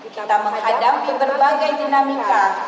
kita menghadapi berbagai dinamika